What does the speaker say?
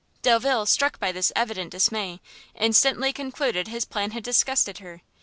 Delvile, struck by this evident dismay, instantly concluded his plan had disgusted her.